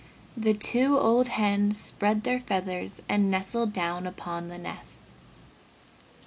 The two old hens spread their feathers and nestled down upon the nests.